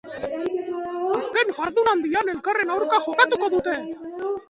Azken jardunaldian elkarren aurka jokatuko dute.